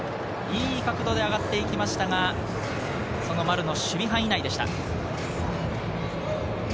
いい角度で上がっていきましたが、丸の守備範囲内でした。